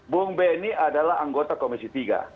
bung benny adalah anggota komisi tiga